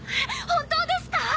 本当ですか！？